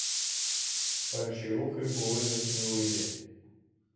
Перші рухи були несміливі.